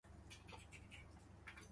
初音未来